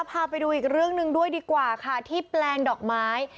พาไปดูอีกเรื่องหนึ่งด้วยดีกว่าค่ะที่แปลงดอกไม้